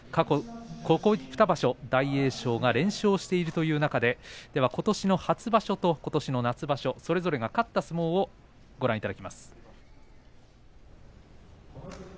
ここ２場所、大栄翔が連勝しているという中でことしの初場所と夏場所それぞれが勝った相撲をどうぞ。